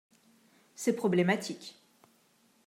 C’est problématique.